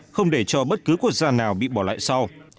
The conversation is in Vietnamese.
không để cho bất cứ quốc gia nào bị bỏ lại sau